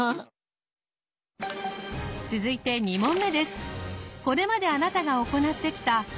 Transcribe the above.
続いて２問目です。